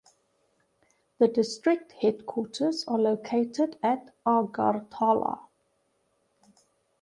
The district headquarters are located at Agartala.